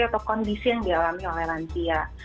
atau kondisi yang dialami oleh lansia